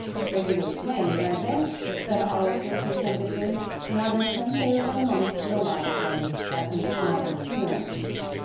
"Regular Swaines, aren't they?" said Olive discon tentedly. "Not a Senthoven amongst the lot of them, at least, not in appearance."